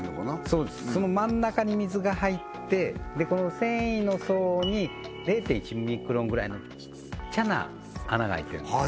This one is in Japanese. そうですその真ん中に水が入ってこの繊維の層に０．１ミクロンぐらいのちっちゃな穴が開いているんです